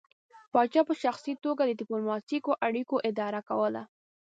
پاچا په شخصي توګه د ډیپلوماتیکو اړیکو اداره کوله